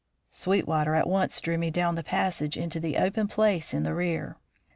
Sweetwater at once drew me down the passage into the open place in the rear.